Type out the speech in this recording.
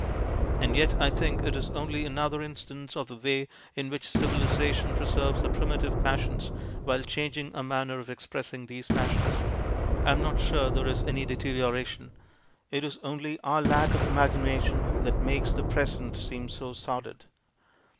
And yet I think it is only another instance of the way in which civilization preserves our primitive passions while changing our manner of expressing these passions. I am not sure there is any deterioration ; it is only our lack of im agination that makes the present seem so sordid.